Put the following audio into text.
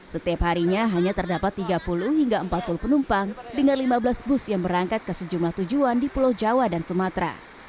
setiap harinya hanya terdapat tiga puluh hingga empat puluh penumpang dengan lima belas bus yang berangkat ke sejumlah tujuan di pulau jawa dan sumatera